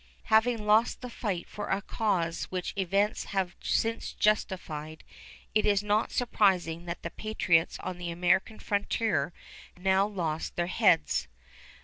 Having lost the fight for a cause which events have since justified, it is not surprising that the patriots on the American frontier now lost their heads.